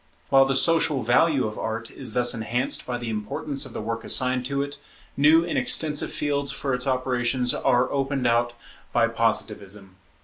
While the social value of Art is thus enhanced by the importance of the work assigned to it, new and extensive fields for its operations are opened out by Positivism.